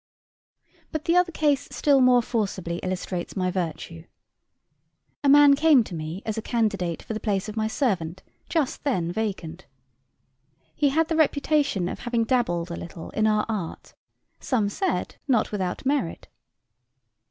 But the other case still more forcibly illustrates my virtue. A man came to me as a candidate for the place of my servant, just then vacant. He had the reputation of having dabbled a little in our art; some said not without merit.